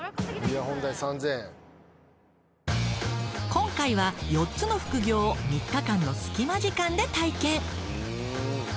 今回は４つの副業を３日間の隙間時間で体験。